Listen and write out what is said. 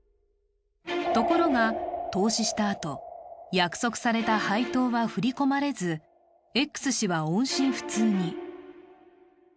ところが、投資したあと、約束された配当は振り込まれずＸ氏は音信不通に。